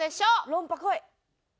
「論破」こい！